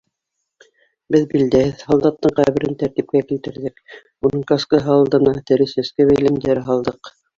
Беҙ билдәһеҙ һалдаттың ҡәберен тәртипкә килтерҙек, уның каскаһы алдына тере сәскә бәйләмдәре һалдыҡ.